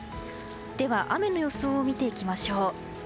では雨の予想を見ていきましょう。